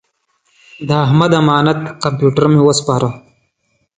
د احمد امانت کمپیوټر مې وسپاره.